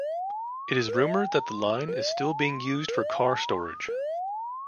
It is rumored that the line is still being used for car storage.